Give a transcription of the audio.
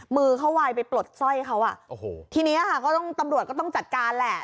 มือเขาไวไปปลดสร้อยเขาทีนี้ตำรวจก็ต้องจัดการแหละ